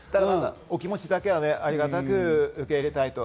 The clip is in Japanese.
お気持ちだけありがたく受け入れたいと。